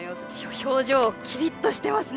表情がキリッとしてますね。